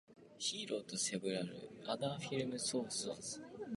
He wrote several other film scores.